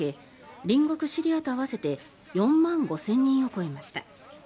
隣国シリアと合わせて４万５０００人を超えました。